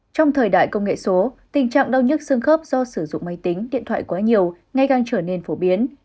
trong thời đại công nghệ số tình trạng đau nhức xương khớp do sử dụng máy tính điện thoại quá nhiều ngày càng trở nên phổ biến